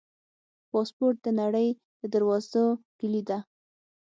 پاسپورټ د نړۍ د دروازو کلي ده.